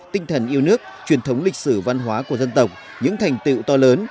tinh thần yêu nước truyền thống lịch sử văn hóa của dân tộc những thành tựu to lớn